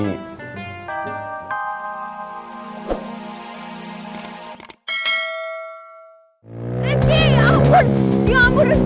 rizky ya ampun ya ampun rizky